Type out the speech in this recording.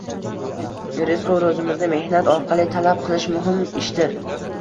Rizqu ro‘zimizni mehnat orqali talab qilish muhim ishdir